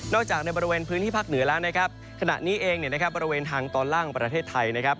จากในบริเวณพื้นที่ภาคเหนือแล้วนะครับขณะนี้เองเนี่ยนะครับบริเวณทางตอนล่างประเทศไทยนะครับ